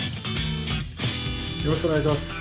よろしくお願いします。